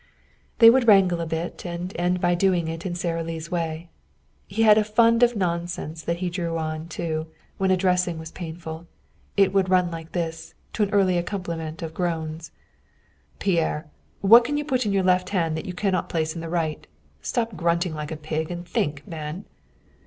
They would wrangle a bit, and end by doing it in Sara Lee's way. He had a fund of nonsense that he drew on, too, when a dressing was painful. It would run like this, to an early accompaniment of groans: "Pierre, what can you put in your left hand that you cannot place in the right? Stop grunting like a pig, and think, man!"